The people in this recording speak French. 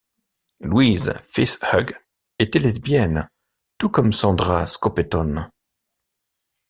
Louise Fitzhugh était lesbienne, tout comme Sandra Scoppettone.